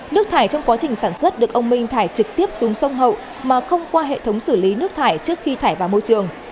nước thải trong quá trình sản xuất được ông minh thải trực tiếp xuống sông hậu mà không qua hệ thống xử lý nước thải trước khi thải vào môi trường